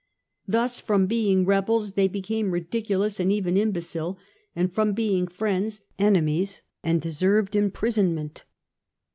Thus from being rebels they became ridiculous and even imbecile, and from being friends, enemies, and deserved imprisonment."